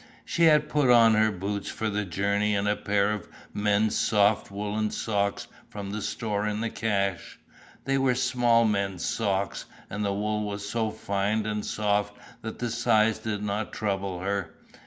She had put on her boots for the journey and a pair of men's soft woollen socks from the store in the cache. They were small men's socks and the wool was so fine and soft that the size did not trouble her.